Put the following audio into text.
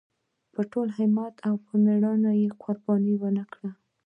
په ټول همت او مېړانۍ یې قرباني ونکړه.